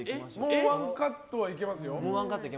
もう１カットはいけますよ。